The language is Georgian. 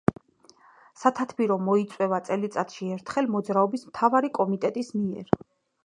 სათათბირო მოიწვევა წელიწადში ერთხელ მოძრაობის მთავარი კომიტეტის მიერ.